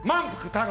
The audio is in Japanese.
太郎。